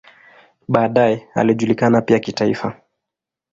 Baadaye alijulikana pia kitaifa.